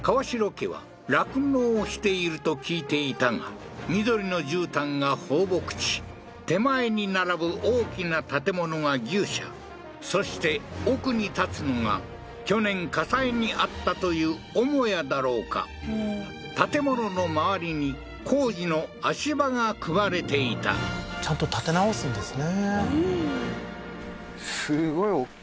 家は酪農をしていると聞いていたが緑のじゅうたんが放牧地手前に並ぶ大きな建物が牛舎そして奥に建つのが去年火災に遭ったという母屋だろうか建物の周りに工事の足場が組まれていたちゃんと建て直すんですね